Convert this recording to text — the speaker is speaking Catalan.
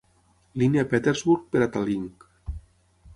Línia Petersburg per a Tallink.